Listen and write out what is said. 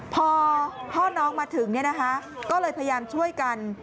พอพ่อน้องมาถึงก็เลยพยายามช่วยกัน